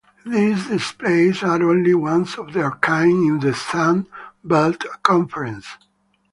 These displays are only one's of their kind in the Sun Belt Conference.